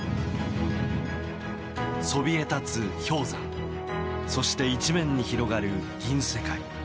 そびえ立つ氷山そして一面に広がる銀世界。